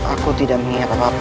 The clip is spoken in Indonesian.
aku tidak mengiangkan pack pack